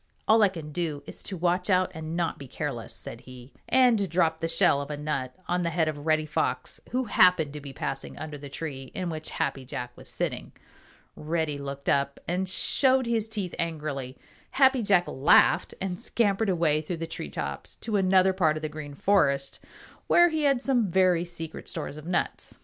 "All I can do is to watch out and not be careless," said he, and dropped the shell of a nut on the head of Reddy Fox, who happened to be passing under the tree in which Happy Jack was sitting. Reddy looked up and showed his teeth angrily. Happy Jack laughed and scampered away through the tree tops to another part of the Green Forest where he had some very secret stores of nuts.